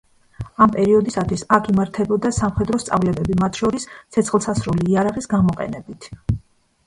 ამ პერიოდისათვის აქ იმართებოდა სამხედრო სწავლებები, მათ შორის ცეცხლსასროლი იარაღის გამოყენებით.